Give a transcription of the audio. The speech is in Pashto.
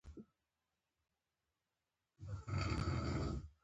تاسو ته به شخصا یو مکتوب درکړي.